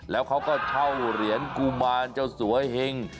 แล้วเขาก็เช่าเหรียญกุมารเจ้าสัวเหง